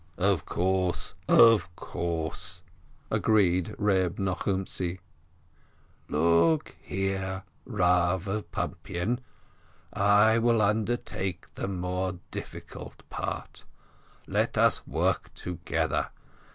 "Of course, of course ..." agreed Reb Nochumtzi. "Look here, Bav of Pumpian, I will undertake the more difficult part — let us work together!